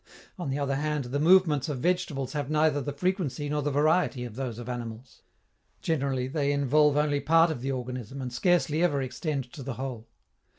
On the other hand, the movements of vegetables have neither the frequency nor the variety of those of animals. Generally, they involve only part of the organism and scarcely ever extend to the whole.